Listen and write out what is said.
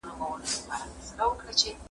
آیا څېړنه له ژبپوهني سره تړاو لري؟